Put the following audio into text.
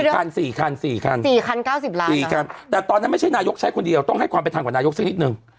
๔คัน๙๐ล้านแต่ตอนนั้นไม่ใช่นายกใช้คนเดียวต้องให้ความเป็นทางกว่านายกสิทิศนิดหนึ่ง